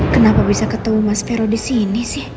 kenapa bisa ketemu mas vero disini sih